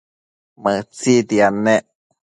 Mëtsitiad nec